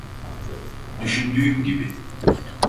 Düşündüğüm gibi.